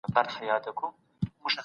طالب جان یو مخلص عاشق و.